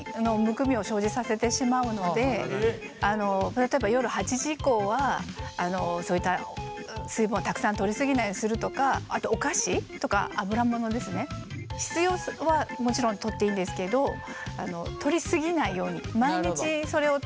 例えば夜８時以降はそういった水分をたくさん取り過ぎないようにするとかあとお菓子とか油ものですね必要はもちろん取っていいんですけど取り過ぎないように。